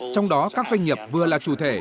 trong đó các doanh nghiệp vừa là chủ thể